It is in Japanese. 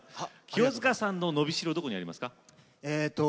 清塚さんの伸びしろはどこにありますか。